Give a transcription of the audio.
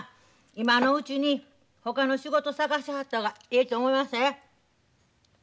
今のうちにほかの仕事探しはった方がええと思いまっせ。